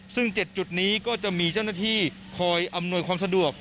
ซึ่ง๗จุดนี้ก็จะมีเจ้าหน้าที่คอยอำนวยความสะดวก